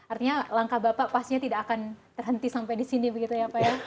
artinya langkah bapak pastinya tidak akan terhenti sampai di sini begitu ya pak ya